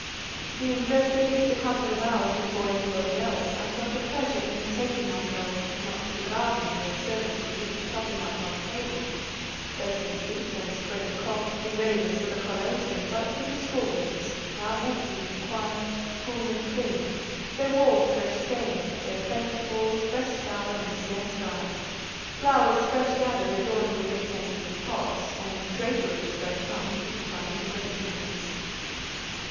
Being dressed at least a couple of hours before anybody else, I felt a pleasure in betaking myself—not to the garden, where servants were busy propping up long tables, placing seats, and spreading cloths in readiness for the collation but to the schoolrooms, now empty, quiet, cool, and clean; their walls fresh stained, their planked floors fresh scoured and scarce dry; flowers fresh gathered adorning the recesses in pots, and draperies, fresh hung, beautifying the great windows.